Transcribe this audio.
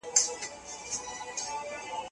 د هغه حافظه ډېره پیاوړې ده.